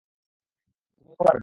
তুমি এটা করতে পারবেন না।